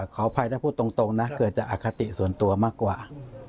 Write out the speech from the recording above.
ขออภัยถ้าพูดตรงนะเกิดจากอคติส่วนตัวมากกว่า